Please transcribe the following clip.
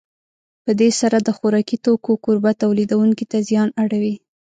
په دې سره د خوراکي توکو کوربه تولیدوونکو ته زیان اړوي.